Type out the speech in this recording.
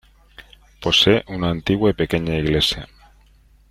Posee una antigua y pequeña iglesia.